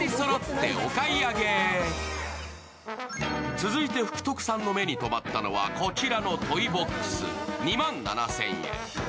続いて福徳さんの目にとまったのはこちらのトイボックス、２万７０００円。